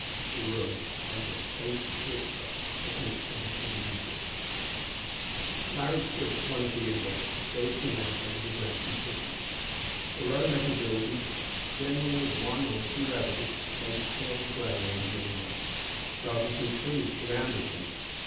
The room held a faint whisper of mechanical music. Larry stood at one of the windows gazing out over the drowsing city. The low metal buildings, generally of one or two levels, lay pale grey in the moonlight. Gardens and trees surrounded them.